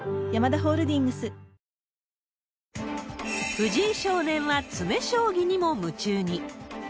藤井少年は詰将棋にも夢中に。